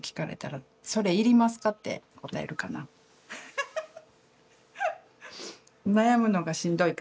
ハッハハハ！